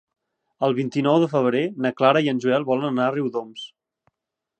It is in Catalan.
El vint-i-nou de febrer na Clara i en Joel volen anar a Riudoms.